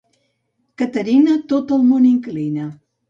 Caterina, tot el món inclina.